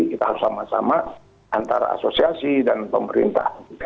kita harus sama sama antara asosiasi dan pemerintah